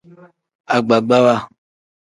Agbagbawa.